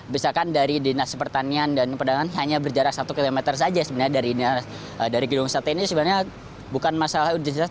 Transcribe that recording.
misalkan dari dinas pertanian dan perdagangan hanya berjarak satu kilometer saja sebenarnya dari gilung satennya sebenarnya bukan masalah urgencitas